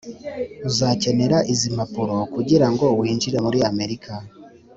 Uzakenera izi mpapuro kugira ngo winjire muri Amerika.